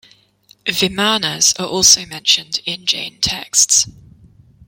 Vimanas are also mentioned in Jain texts.